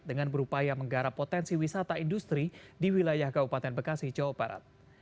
dengan berupaya menggarap potensi wisata industri di wilayah kabupaten bekasi jawa barat